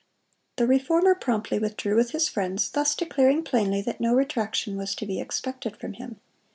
(183) The Reformer promptly withdrew with his friends, thus declaring plainly that no retraction was to be expected from him.